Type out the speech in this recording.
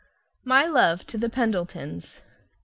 My love to the Pendletons.